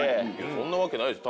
そんなわけないでしょ